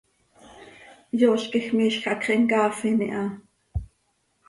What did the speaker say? Yooz quij miizj hacx him caafin iha.